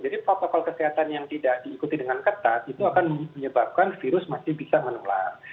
jadi protokol kesehatan yang tidak diikuti dengan ketat itu akan menyebabkan virus masih bisa menular